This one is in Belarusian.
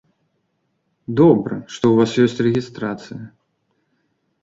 Добра, што ў вас ёсць рэгістрацыя.